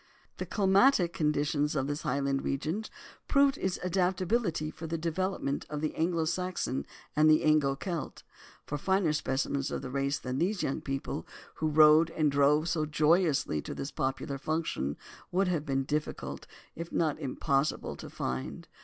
The climatic conditions of this Highland region proved its adaptability for the development of the Anglo Saxon and the Anglo Celt, for finer specimens of the race than these young people who rode and drove so joyously to this popular function would have been difficult, if not impossible, to find.